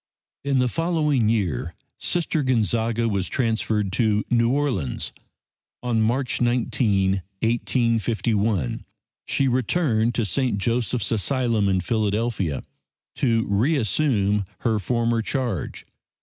In the following year Sister Gonzaga was transferred to New Orleans. On March 19, 1851, she returned to St. Joseph's Asylum in Philadelphia to re assume her former charge.